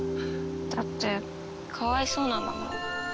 だってかわいそうなんだもん。